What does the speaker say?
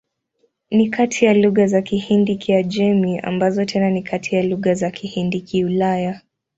Ni kati ya lugha za Kihindi-Kiajemi, ambazo tena ni kati ya lugha za Kihindi-Kiulaya.